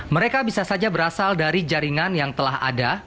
mereka bisa saja berasal dari jaringan yang telah ada